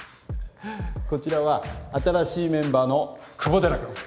こちらは新しいメンバーの久保寺君。